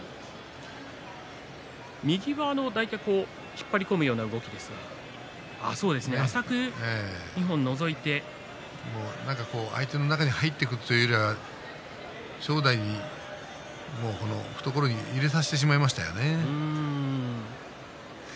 右は大体引っ張り込むような感じですけれども相手の中に入っていくというよりは正代懐の中に入れてしまいましたね。